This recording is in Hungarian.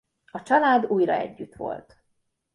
A család újra együtt volt.